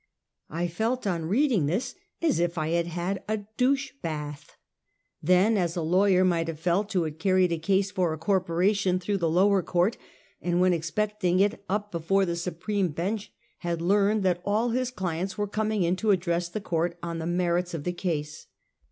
I felt on reading this as if I had had a douche bath ; then, as a lawyer might have felt who had carried a case for a corpora tion through the lower court, and when expecting it up before the supreme bench, had learned that all his clients were coming in to address the court on the mer its of the case.